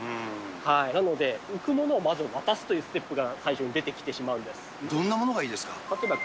なので、浮くものをまず渡すというステップが最初、最初に出てきてしまうどんなものがいいですか？